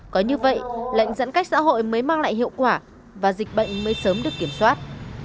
có như vậy lệnh giãn cách xã hội mới mang lại hiệu quả và dịch bệnh mới sớm được kiểm soát